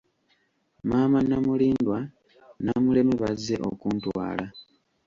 Maama Namulindwa, Namuleme bazze okuntwala